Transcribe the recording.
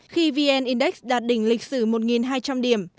khi vn index đạt đỉnh lịch sử một hai trăm linh điểm